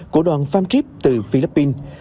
của đoàn farm trip từ philippines